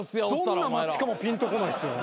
どんな街かもぴんとこないっすよ。